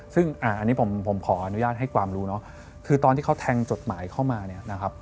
ซึ่งอันนี้ผมขออนุญาตให้ความรู้คือตอนที่เขาแทงจดหมายเข้ามา